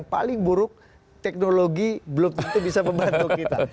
paling buruk teknologi belum tentu bisa membantu kita